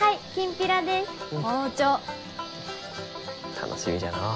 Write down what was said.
楽しみじゃのう。